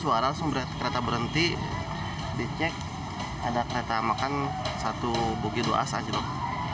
suara langsung kereta berhenti dicek ada kereta makan satu bugi dua as anjlok